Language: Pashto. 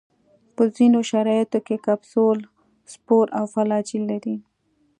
په ځینو شرایطو کې کپسول، سپور او فلاجیل لري.